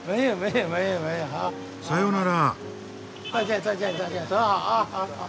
さよなら。